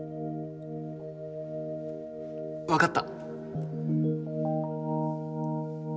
わかった！